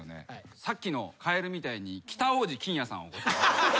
さっきのカエルみたいに北大路欣也さんをこう。